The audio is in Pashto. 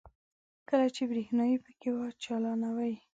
کله چې برېښنايي پکې چالانوي.